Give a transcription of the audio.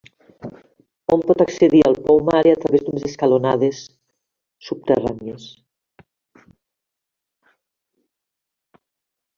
Hom pot accedir al pou mare a través d'unes escalonades subterrànies.